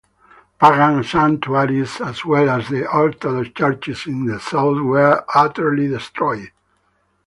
Pagan sanctuaries as well as the Orthodox Churches in the South were utterly destroyed.